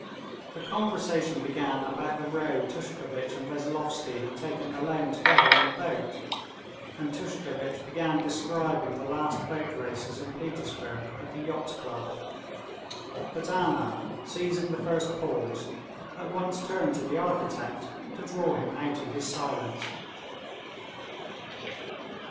The conversation began about the row Tushkevitch and Veslovsky had taken alone together in the boat, and Tushkevitch began describing the last boat races in Petersburg at the Yacht Club. But Anna, seizing the first pause, at once turned to the architect to draw him out of his silence.